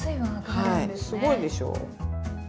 はいすごいでしょ。